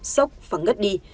sốc và ngất đi